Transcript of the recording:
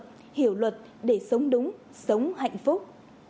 hiểu luật để sống đúng sống hạnh phúc